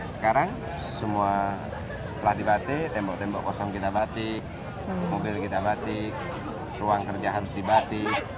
sekarang semua setelah dibatik tembok tembok kosong kita batik mobil kita batik ruang kerja harus dibatik